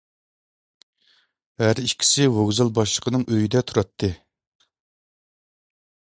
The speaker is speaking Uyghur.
ھەر ئىككىسى ۋوگزال باشلىقىنىڭ ئۆيىدە تۇراتتى.